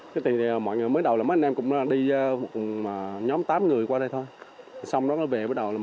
từ đó mọi người cứ sáng tay nhụp nhau vào làm